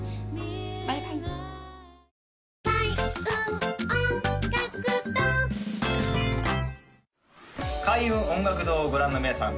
バイバイ開運音楽堂をご覧の皆さん